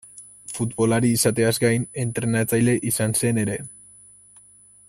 Futbolari izateaz gain, entrenatzaile izan zen ere.